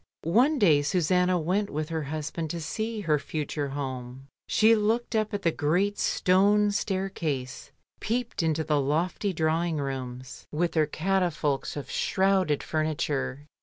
One day Susanna went with her husband to see her future home. She looked up at the great stone staircase, peeped into the lofty drawing rooms, with their catafalques of shrouded LONDON CITY. I5I furniture.